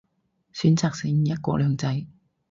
選擇性一國兩制